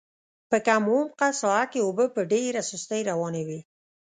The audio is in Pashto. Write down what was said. په کم عمقه ساحه کې اوبه په ډېره سستۍ روانې وې.